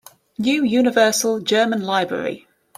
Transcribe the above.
New Universal German Library.